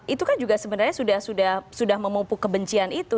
itu kan juga sebenarnya sudah memupuk kebencian itu